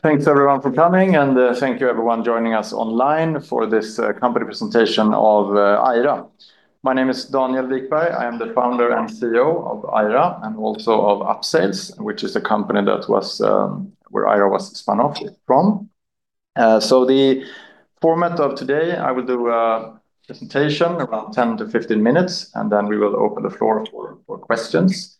Thanks everyone for coming and thank you everyone joining us online for this company presentation of Aira. My name is Daniel Wikberg. I'm the Founder and CEO of Aira and also of Upsales, which is a company where Aira was spun off from. The format of today, I will do a presentation around 10-15 minutes, then we will open the floor for questions.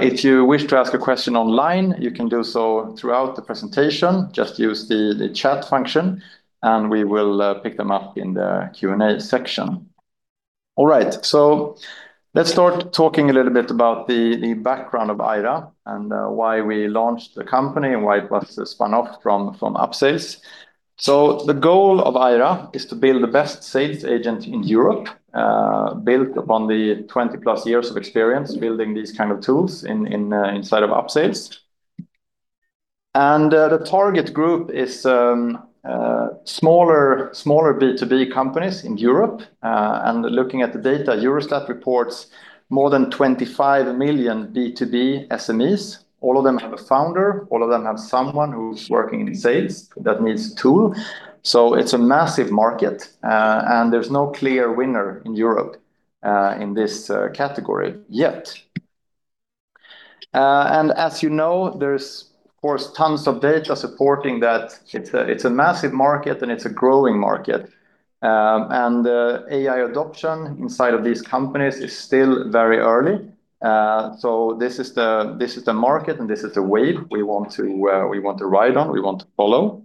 If you wish to ask a question online, you can do so throughout the presentation. Just use the chat function, we will pick them up in the Q&A section. All right, let's start talking a little bit about the background of Aira and why we launched the company and why it was spun off from Upsales. The goal of Aira is to build the best sales agent in Europe, built upon the 20+ years of experience building these kind of tools inside of Upsales. The target group is smaller B2B companies in Europe. Looking at the data, Eurostat reports more than 25 million B2B SMEs. All of them have a founder, all of them have someone who's working in sales. That means a tool. It's a massive market, and there's no clear winner in Europe in this category yet. As you know, there's of course, tons of data supporting that it's a massive market and it's a growing market. AI adoption inside of these companies is still very early. This is the market and this is the wave we want to ride on, we want to follow.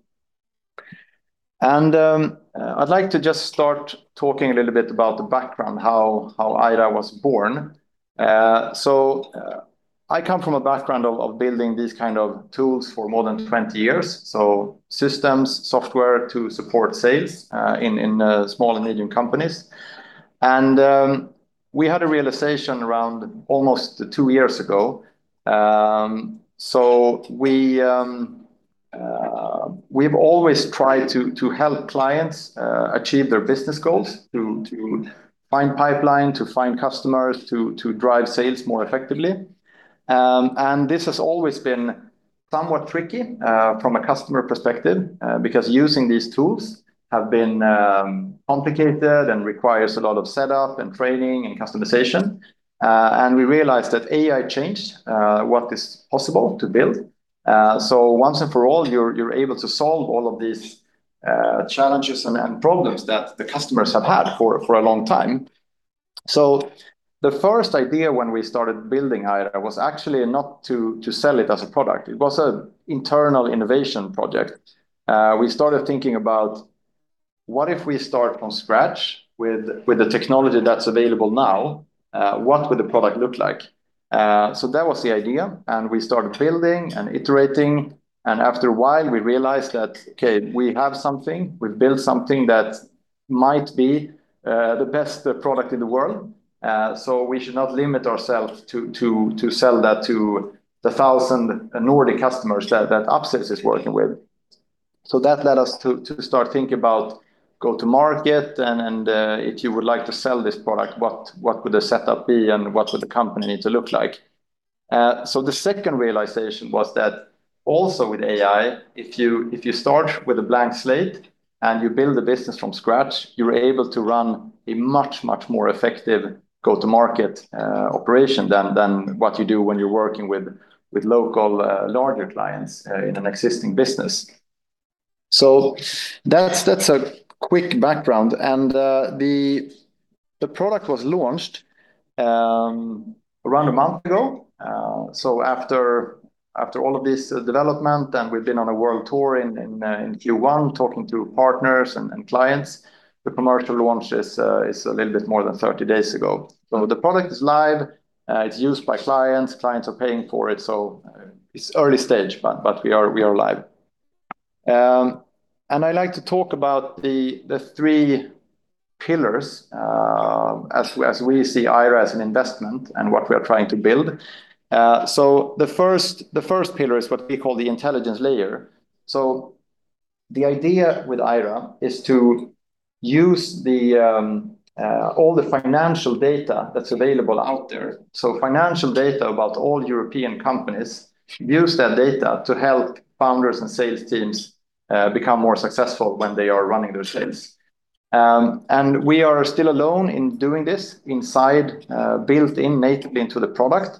I'd like to just start talking a little bit about the background, how Aira was born. I come from a background of building these kind of tools for more than 20 years. Systems, software to support sales in small and medium companies. We had a realization around almost two years ago, so we've always tried to help clients achieve their business goals, to find pipeline, to find customers, to drive sales more effectively. This has always been somewhat tricky from a customer perspective, because using these tools have been complicated and requires a lot of setup and training and customization. We realized that AI changed what is possible to build. Once and for all, you're able to solve all of these challenges and problems that the customers have had for a long time. The first idea when we started building Aira was actually not to sell it as a product. It was an internal innovation project. We started thinking about what if we start from scratch with the technology that's available now, what would the product look like? That was the idea, we started building and iterating. After a while we realized that, okay, we have something. We've built something that might be the best product in the world. We should not limit ourselves to sell that to the 1,000 Nordic customers that Upsales is working with. That led us to start thinking about go-to-market and if you would like to sell this product, what would the setup be and what would the company need to look like? The second realization was that also with AI, if you start with a blank slate and you build a business from scratch, you're able to run a much, much more effective go-to-market operation than what you do when you're working with local larger clients in an existing business. That's a quick background. The product was launched around a month ago. After all of this development and we've been on a world tour in Q1 talking to partners and clients, the commercial launch is a little bit more than 30 days ago. The product is live. It's used by clients. Clients are paying for it. It's early stage, but we are live. I'd like to talk about the three pillars as we see Aira as an investment and what we are trying to build. The first pillar is what we call the intelligence layer. The idea with Aira is to use all the financial data that's available out there. Financial data about all European companies, use that data to help founders and sales teams become more successful when they are running their sales. We are still alone in doing this inside, built-in natively into the product.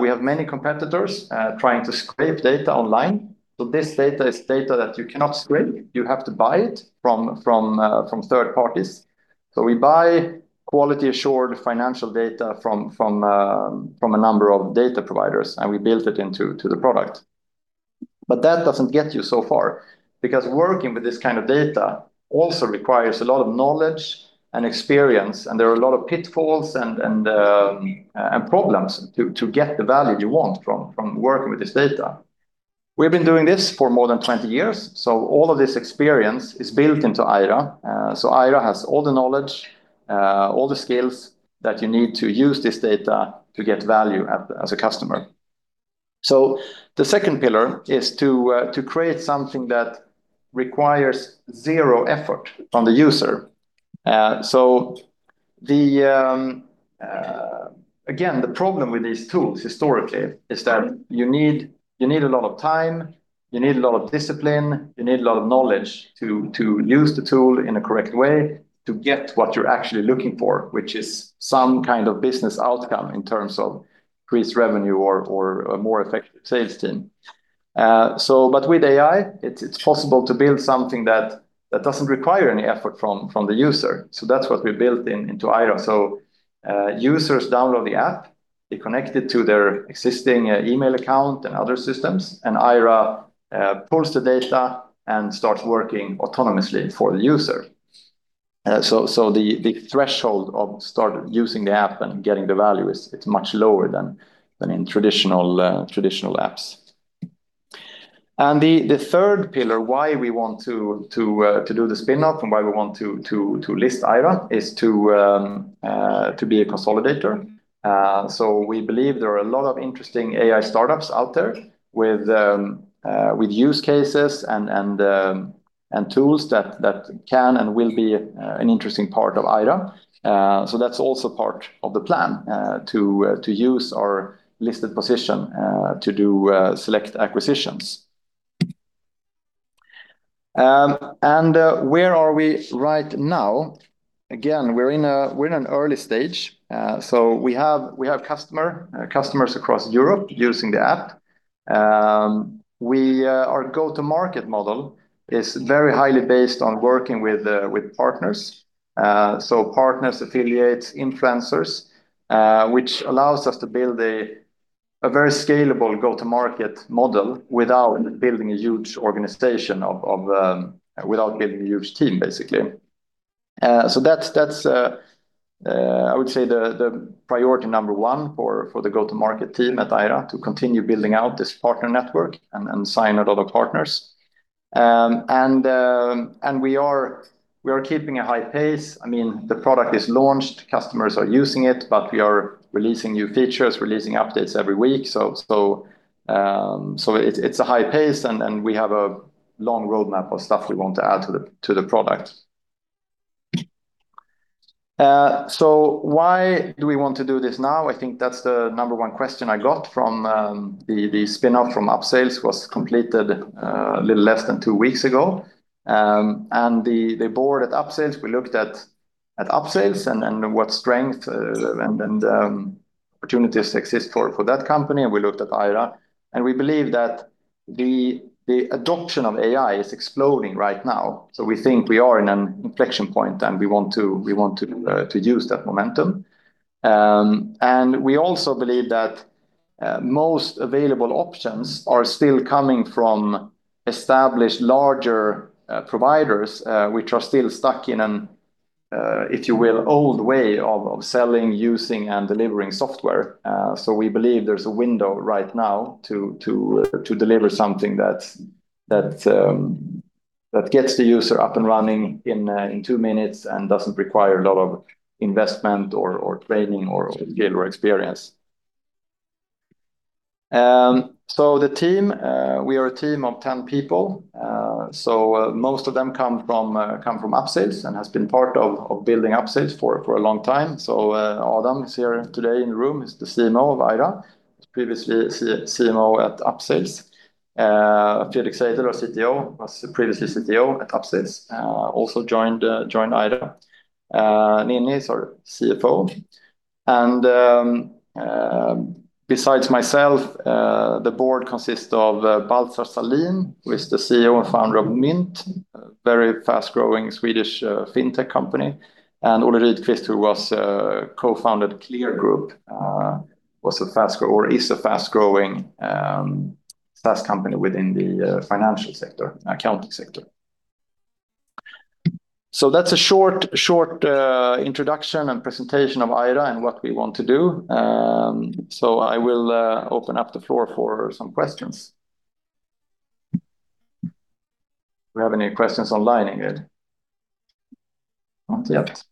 We have many competitors trying to scrape data online. This data is data that you cannot scrape. You have to buy it from third parties. We buy quality assured financial data from a number of data providers, and we build it into the product. That doesn't get you so far because working with this kind of data also requires a lot of knowledge and experience, and there are a lot of pitfalls and problems to get the value you want from working with this data. We've been doing this for more than 20 years. All of this experience is built into Aira. Aira has all the knowledge, all the skills that you need to use this data to get value as a customer. The second pillar is to create something that requires zero effort from the user. Again, the problem with these tools historically is that you need a lot of time, you need a lot of discipline, you need a lot of knowledge to use the tool in a correct way to get what you are actually looking for, which is some kind of business outcome in terms of increased revenue or a more effective sales team. With AI, it is possible to build something that does not require any effort from the user. That is what we built into Aira. Users download the app, they connect it to their existing email account and other systems, and Aira pulls the data and starts working autonomously for the user. The threshold of start using the app and getting the value is much lower than in traditional apps. The third pillar, why we want to do the spin-off and why we want to list Aira, is to be a consolidator. We believe there are a lot of interesting AI startups out there with use cases and tools that can and will be an interesting part of Aira. That's also part of the plan, to use our listed position to do select acquisitions. Where are we right now? Again, we're in an early stage. We have customers across Europe using the app. Our go-to-market model is very highly based on working with partners. Partners, affiliates, influencers, which allows us to build a very scalable go-to-market model without building a huge organization, without building a huge team, basically. That's I would say the priority number one for the go-to-market team at Aira, to continue building out this partner network and sign a lot of partners. We are keeping a high pace. The product is launched, customers are using it, but we are releasing new features, releasing updates every week. It's a high pace, and we have a long roadmap of stuff we want to add to the product. Why do we want to do this now? I think that's the number one question I got from the spin-off from Upsales was completed a little less than two weeks ago. The board at Upsales, we looked at Upsales and what strength and opportunities exist for that company, and we looked at Aira, and we believe that the adoption of AI is exploding right now. We think we are in an inflection point, and we want to use that momentum. We also believe that most available options are still coming from established larger providers, which are still stuck in an, if you will, old way of selling, using, and delivering software. We believe there's a window right now to deliver something that gets the user up and running in two minutes and doesn't require a lot of investment or training or skill or experience. The team, we are a team of 10 people. Most of them come from Upsales and has been part of building Upsales for a long time. Adam is here today in the room, he's the CMO of Aira. He was previously CMO at Upsales. Fredrik Seidl, CTO, was previously CTO at Upsales, also joined Aira. Ninnie is our CFO. Besides myself, the board consists of Baltsar Sahlin, who is the CEO and Founder of Mynt, a very fast-growing Swedish fintech company, and Ulrik Kristoffersson who co-founded Cling Systems, is a fast-growing SaaS company within the financial sector and accounting sector. That's a short introduction and presentation of Aira and what we want to do. I will open up the floor for some questions. Do we have any questions online yet? Not yet.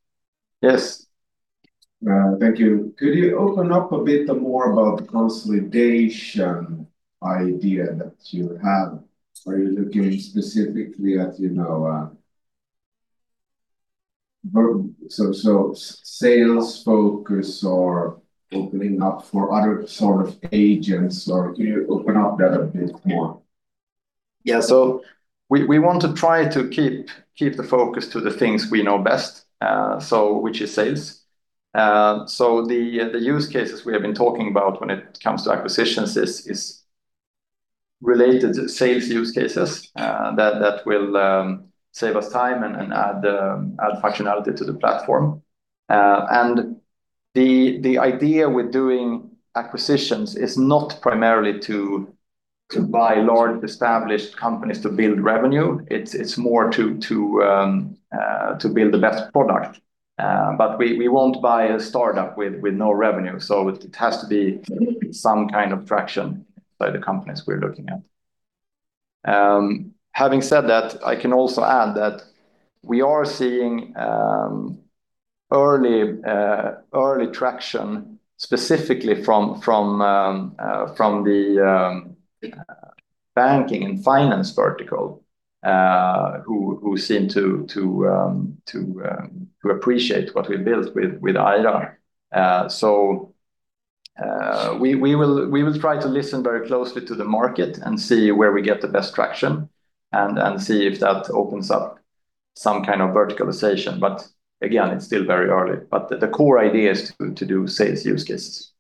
Yes. Thank you. Could you open up a bit more about the consolidation idea that you have? Are you looking specifically at sales focus or opening up for other sort of agents, or can you open up that a bit more? Yeah. We want to try to keep the focus to the things we know best, so which is sales. The use cases we have been talking about when it comes to acquisitions is related to sales use cases that will save us time and add functionality to the platform. The idea with doing acquisitions is not primarily to buy large established companies to build revenue. It's more to build a better product. We won't buy a startup with no revenue. It has to be some kind of traction by the companies we're looking at. Having said that, I can also add that we are seeing early traction specifically from Banking and Finance Vertical, who seem to appreciate what we built with Aira. We will try to listen very closely to the market and see where we get the best traction and see if that opens up some kind of verticalization. Again, it's still very early, but the core idea is to do sales use cases.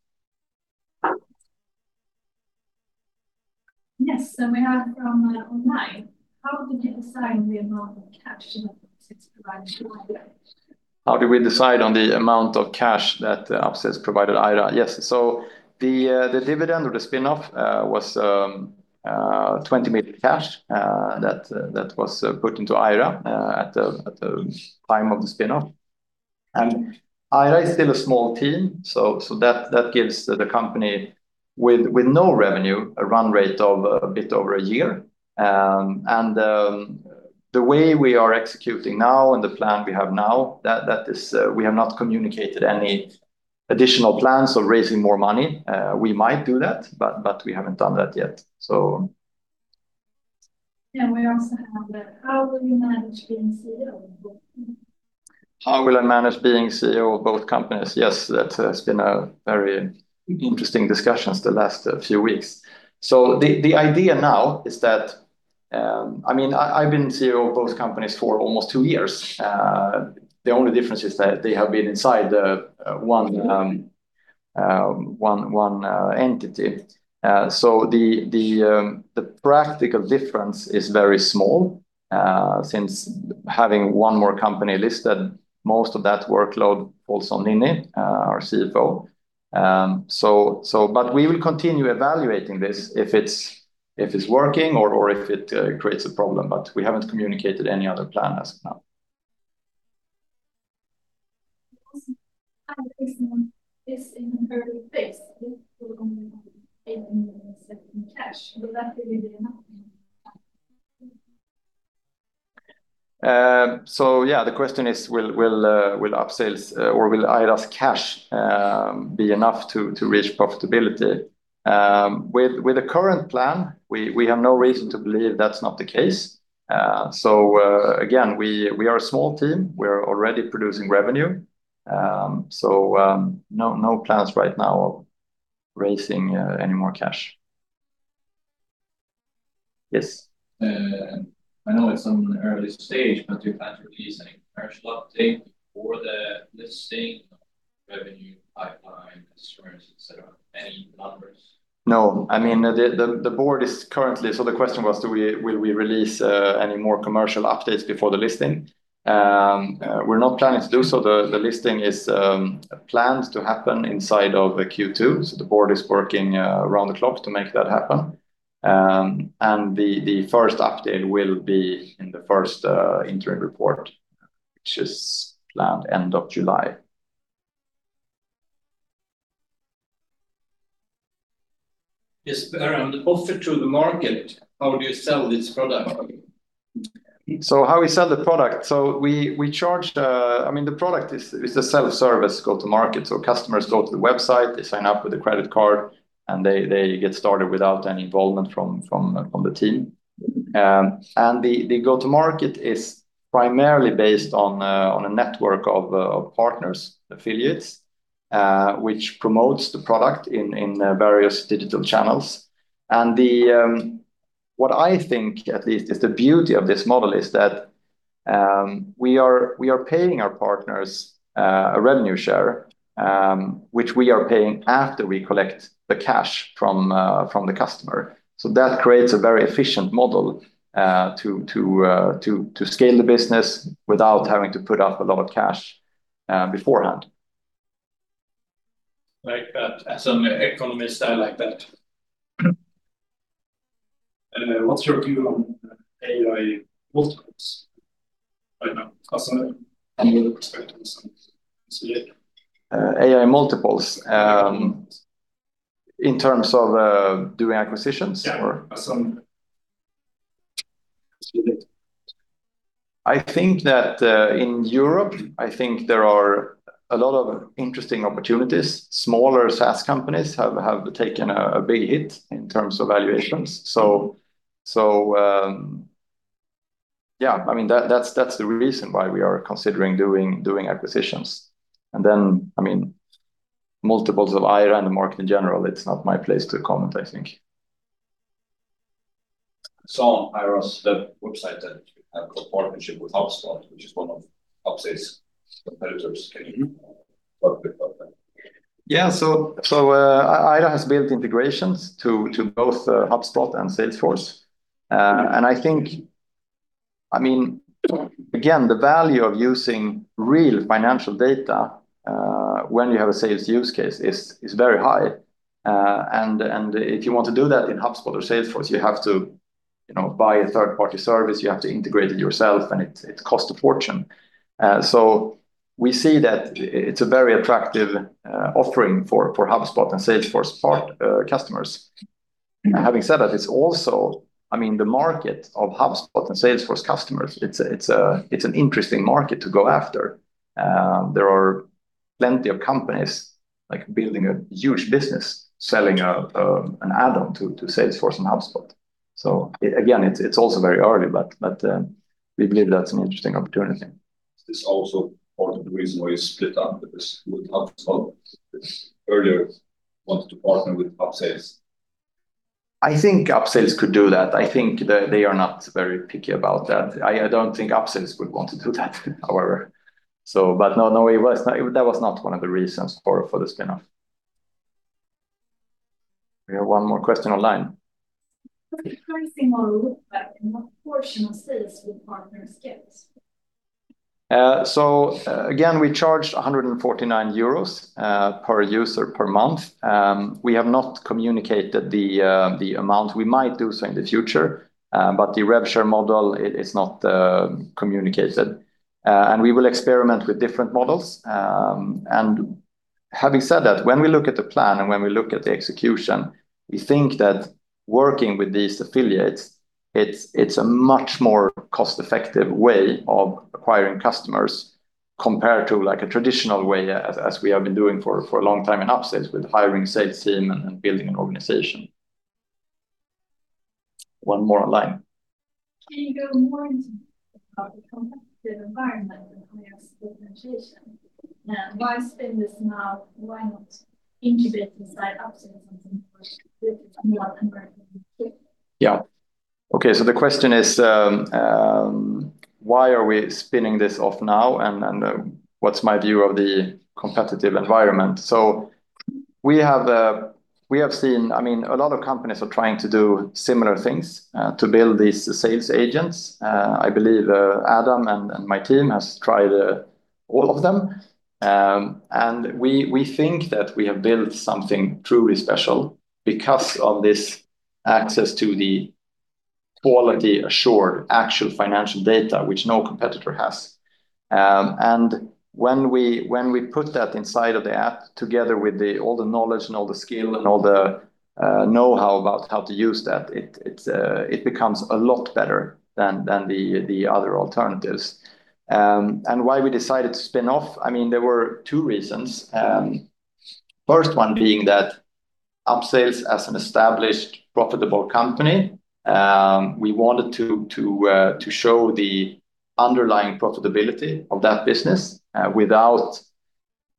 Yes. We have from online, how did you decide the amount of cash that Upsales provided to Aira? How did we decide on the amount of cash that Upsales provided Aira? Yes. The dividend or the spinoff was 20 million cash that was put into Aira at the time of the spinoff. Aira is still a small team, so that gives the company with no revenue a run rate of a bit over a year. The way we are executing now and the plan we have now, we have not communicated any additional plans of raising more money. We might do that, but we haven't done that yet. Yeah. We also have, how will you manage being CEO of both companies? How will I manage being CEO of both companies? Yes, that has been a very interesting discussion the last few weeks. The idea now is that, I've been CEO of both companies for almost two years. The only difference is that they have been inside one entity. The practical difference is very small, since having one more company listed, most of that workload falls on Ninnie, our CFO. We will continue evaluating this if it's working or if it creates a problem, but we haven't communicated any other plan as of now. Given the accepting cash, will that really be enough? Yeah, the question is, will Aira's cash be enough to reach profitability? With the current plan, we have no reason to believe that's not the case. Again, we are a small team. We're already producing revenue. No plans right now of raising any more cash. Yes. I know it's an early stage, but do you plan to release any commercial update before the listing of revenue pipeline, customers, et cetera, any numbers? No. The question was will we release any more commercial updates before the listing? We're not planning to do so. The listing plans to happen inside of Q2. The board is working around the clock to make that happen. The first update will be in the first interim report, which is planned end of July. Yes. Also to the market, how do you sell this product? How we sell the product. The product is a self-service go-to-market. Customers go to the website, they sign up with a credit card, and they get started without any involvement from the team. The go-to-market is primarily based on a network of partners, affiliates, which promotes the product in various digital channels. What I think is the beauty of this model is that we are paying our partners a revenue share, which we are paying after we collect the cash from the customer. That creates a very efficient model to scale the business without having to put up a lot of cash beforehand. I like that. As an economist, I like that. What's your view on AI multiples? I know, as an investor perspective, so to speak. AI multiples? Yeah. As you did. I think that in Europe, I think there are a lot of interesting opportunities. Smaller SaaS companies have taken a big hit in terms of valuations. Yeah, that's the reason why we are considering doing acquisitions. Then, multiples of Aira and the market in general, it's not my place to comment, I think. Saw Aira's website that you have a partnership with HubSpot, which is one of Upsales' competitors. Can you talk a bit about that? Yeah. Aira has built integrations to both HubSpot and Salesforce. I think, again, the value of using real financial data, when you have a sales use case is very high. If you want to do that in HubSpot or Salesforce, you have to buy a third-party service. You have to integrate it yourself, and it costs a fortune. We see that it's a very attractive offering for HubSpot and Salesforce customers. Having said that, it's also the market of HubSpot and Salesforce customers, an interesting market to go after. There are plenty of companies are building a huge business selling an add-on to Salesforce and HubSpot. Again, it's also very early, but we believe that's an interesting opportunity. Is this also part of the reason why you split up with HubSpot earlier, wanted to partner with Upsales? I think Upsales could do that. I think that they are not very picky about that. I don't think Upsales would want to do that, however. No, that was not one of the reasons for the spin-off. We have one more question online. What is the pricing model look like and what portion of sales will partners get? Again, we charge 149 euros per user per month. We have not communicated the amount. We might do so in the future, but the rev share model is not communicated. We will experiment with different models. Having said that, when we look at the plan and when we look at the execution, we think that working with these affiliates, it's a much more cost-effective way of acquiring customers compared to a traditional way, as we have been doing for a long time at Upsales, with hiring sales team and building an organization. One more online. Can you go more into about the competitive environment and how you see differentiation? Why spin this now? Why not integrate inside Upsales and push with a more competitive. Yeah. Okay, the question is why are we spinning this off now, and then what's my view of the competitive environment? We have seen a lot of companies are trying to do similar things to build these sales agents. I believe Adam and my team has tried all of them. We think that we have built something truly special because of this access to the quality assured actual financial data, which no competitor has. When we put that inside of the app, together with all the knowledge and all the skill and all the know-how about how to use that, it becomes a lot better than the other alternatives. Why we decided to spin off, there were two reasons. First one being that Upsales as an established, profitable company, we wanted to show the underlying profitability of that business without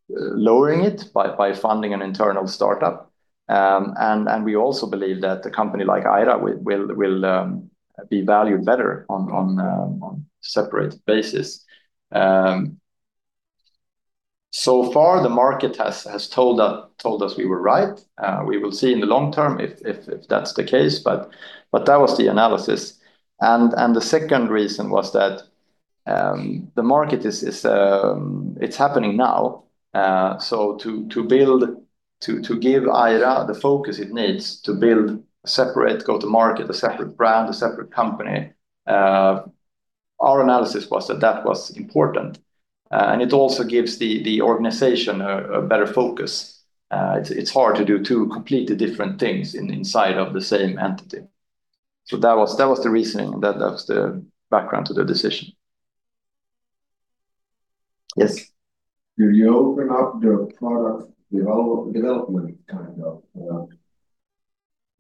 lowering it by funding an internal startup. We also believe that a company like Aira will be valued better on separate basis. Far, the market has told us we were right. We will see in the long term if that's the case, but that was the analysis. The second reason was that the market is happening now. To give Aira the focus it needs to build a separate go-to-market, a separate brand, a separate company, our analysis was that that was important. It also gives the organization a better focus. It's hard to do two completely different things inside of the same entity. That was the reasoning. That's the background to the decision. Yes. Did you open up your product development?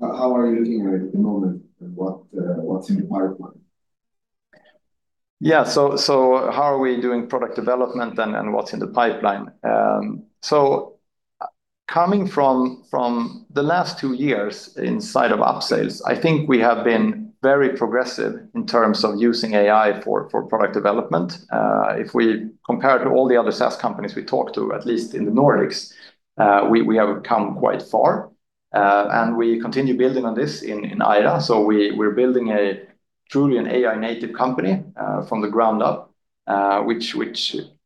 How are you looking at it at the moment, and what's in the pipeline? Yeah, how are we doing product development and what's in the pipeline? Coming from the last two years inside of Upsales, I think we have been very progressive in terms of using AI for product development. If we compare to all the other SaaS companies we talk to, at least in the Nordics, we have come quite far, and we continue building on this in Aira. We're building truly an AI-native company from the ground up, which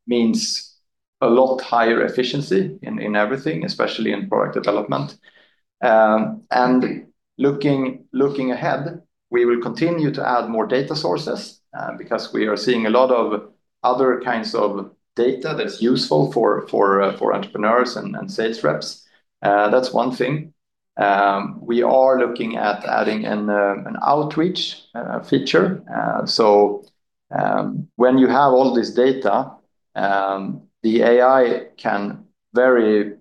means a lot higher efficiency in everything, especially in product development. Looking ahead, we will continue to add more data sources, because we are seeing a lot of other kinds of data that's useful for entrepreneurs and sales reps. That's one thing. We are looking at adding an outreach feature. When you have all this data, the AI can very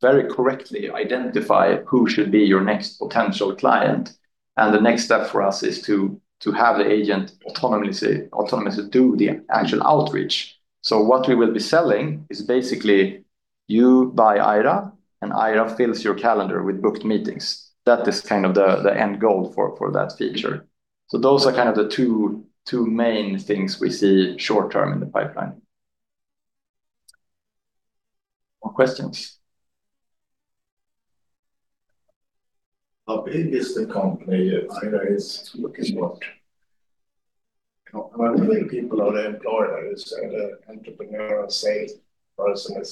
correctly identify who should be your next potential client. The next step for us is to have the agent autonomously do the actual outreach. What we will be selling is basically you buy Aira, and Aira fills your calendar with booked meetings. That is kind of the end goal for that feature. Those are kind of the two main things we see short term in the pipeline. More questions? How big is the company Aira is looking to work? How many people are they employing? Is there the entrepreneurial sales person?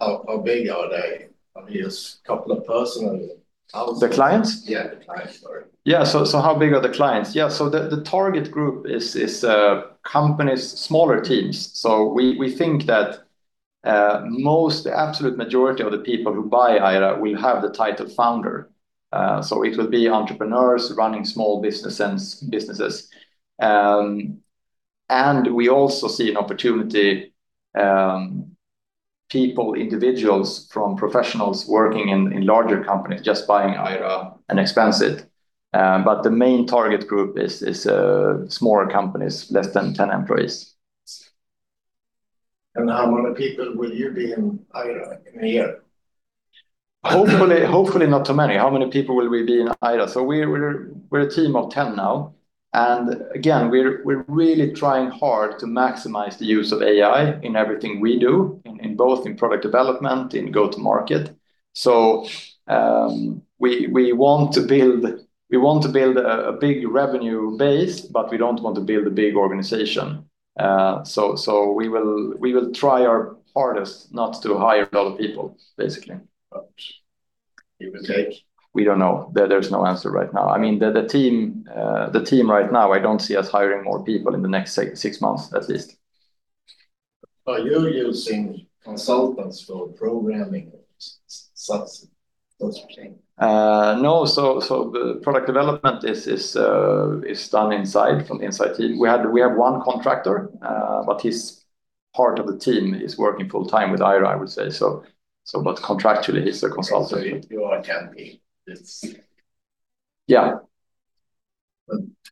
How big are they? Are they just a couple of person or thousands? The clients? Yeah, the clients, sorry. How big are the clients? The target group is companies, smaller teams. We think that most absolute majority of the people who buy Aira will have the title founder. It would be entrepreneurs running small businesses. We also see an opportunity, people, individuals from professionals working in larger companies just buying Aira and expense it. The main target group is smaller companies, less than 10 employees. How many people will you be in Aira in a year? Hopefully not too many. How many people will we be in Aira? We're a team of 10 now, and again, we're really trying hard to maximize the use of AI in everything we do, in both in product development, in go-to-market. We want to build a big revenue base, but we don't want to build a big organization. We will try our hardest not to hire a lot of people, basically. Give or take. We don't know. There's no answer right now. The team right now, I don't see us hiring more people in the next six months, at least. Are you using consultants for programming such a thing? No. The product development is done inside from inside team. We have one contractor, but he's part of the team. He's working full time with Aira, I would say, but contractually he's a consultant. You are a company. Yeah.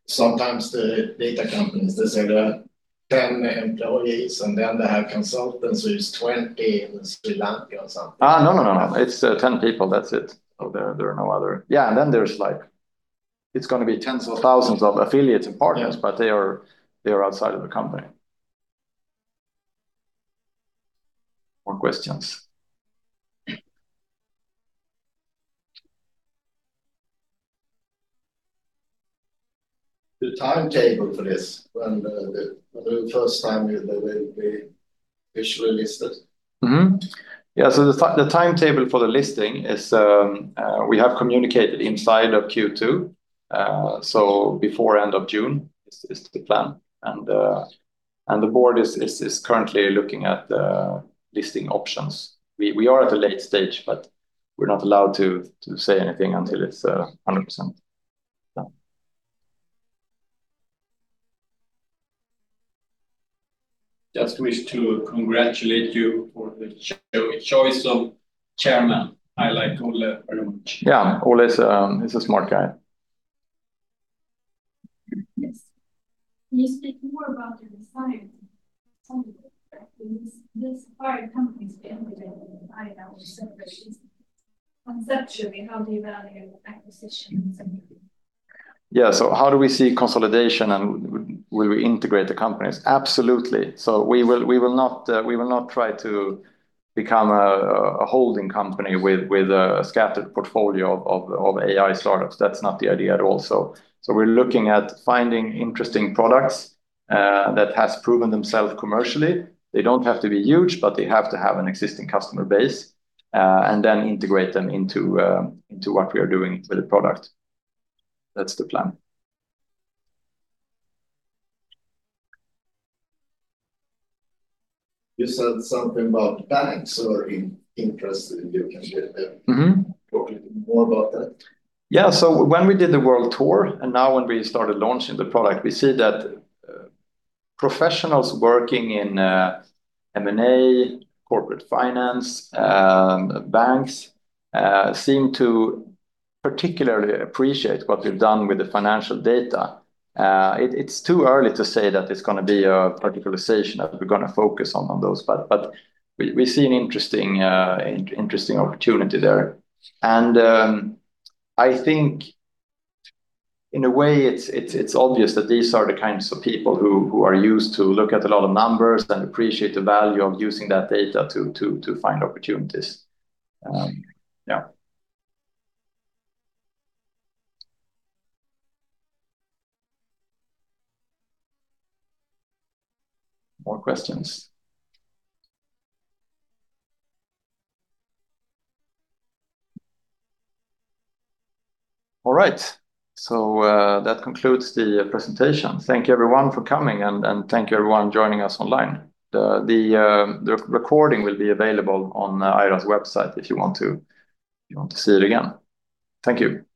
Sometimes the data companies, they say they're 10 employees, and then they have consultants who's 20 in Sri Lanka or something. No. It's 10 people. That's it. There are no other. Yeah, then it's going to be tens of thousands of affiliates and partners, but they are outside of the company. More questions? The timetable for this, when the first time you will be officially listed? Yeah. The timetable for the listing is, we have communicated inside of Q2. Before end of June is the plan. The board is currently looking at the listing options. We are at a late stage, but we're not allowed to say anything until it's 100%. Yeah. Just wish to congratulate you for the choice of chairman. I like Ole very much. Yeah. Ole is a smart guy. Yes. Can you speak more about your companies we integrate and buy now separations. Conceptually, how do you value acquisitions? Yeah. How do we see consolidation and will we integrate the companies? Absolutely. We will not try to become a holding company with a scattered portfolio of AI startups. That's not the idea at all. We're looking at finding interesting products that has proven themselves commercially. They don't have to be huge, but they have to have an existing customer base, and then integrate them into what we are doing with the product. That's the plan. You said something about banks are interested in you. Can you talk a little bit more about that? When we did the world tour, and now when we started launching the product, we see that professionals working in M&A, corporate finance, banks, seem to particularly appreciate what we've done with the financial data. It's too early to say that it's going to be a verticalization, that we're going to focus on those, we see an interesting opportunity there. I think in a way it's obvious that these are the kinds of people who are used to look at a lot of numbers and appreciate the value of using that data to find opportunities. Okay. Yeah. More questions? All right. That concludes the presentation. Thank you everyone for coming, and thank you everyone joining us online. The recording will be available on Aira's website if you want to see it again. Thank you.